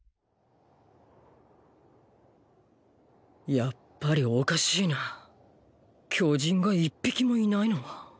やっぱりおかしいな巨人が一匹もいないのは。